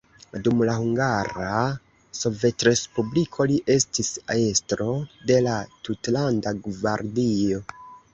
Dum la Hungara Sovetrespubliko li estis estro de la tutlanda gvardio.